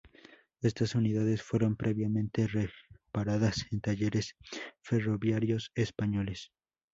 Estas unidades fueron previamente reparadas en talleres ferroviarios españoles.